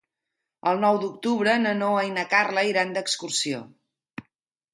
El nou d'octubre na Noa i na Carla iran d'excursió.